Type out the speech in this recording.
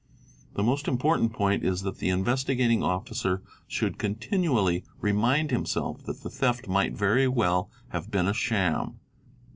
The most important point is that the Investigating Officer should continually remind himself that the theft might very well have been a sham.